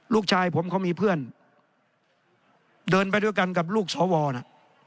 ลูกชายผมเขามีเพื่อนเดินไปด้วยกันกับลูกสวนะ